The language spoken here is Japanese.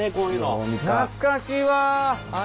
懐かしいわあ。